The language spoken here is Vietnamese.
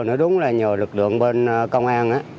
nó đúng là nhờ lực lượng bên công an